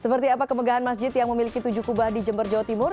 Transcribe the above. seperti apa kemegahan masjid yang memiliki tujuh kubah di jember jawa timur